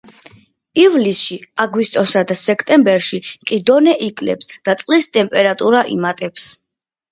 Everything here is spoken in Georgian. ივლისში, აგვისტოსა და სექტემბერში კი დონე იკლებს და წყლის ტემპერატურა იმატებს.